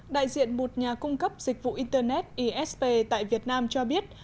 đại diện một nhà cung cấp dịch vụ internet esp tại việt nam cho biết